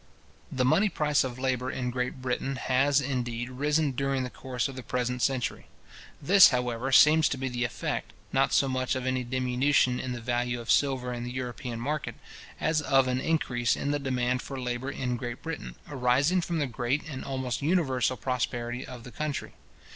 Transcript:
The money price of labour in Great Britain has, indeed, risen during the course of the present century. This, however, seems to be the effect, not so much of any diminution in the value of silver in the European market, as of an increase in the demand for labour in Great Britain, arising from the great, and almost universal prosperity of the country.